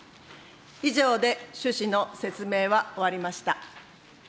以上で趣旨の説明は終わりました。